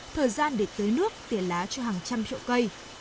thời gian để tưới nước tiền lá cho hàng trăm triệu cây